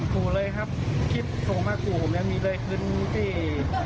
ขู่เลยครับคลิปส่งมาขู่ผมยังมีเลยคืนที่